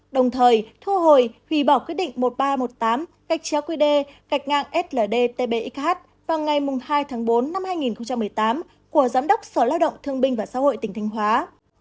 đồng thời thu hồi hủy bỏ quyết định một nghìn ba trăm một mươi tám qd sld tbxh vào ngày hai tháng bốn năm hai nghìn một mươi tám của giám đốc sở lao động thương binh và xã hội tỉnh thánh hóa